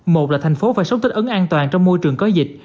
một là thành phố phải sống tích ấn an toàn trong môi trường có dịch